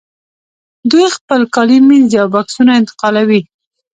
دوی خپل کالي مینځي او بکسونه انتقالوي